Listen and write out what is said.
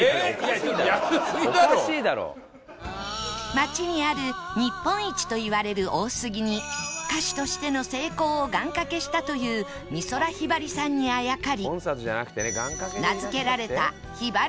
街にある日本一といわれる大スギに歌手としての成功を願掛けしたという美空ひばりさんにあやかり名付けられたひばり食堂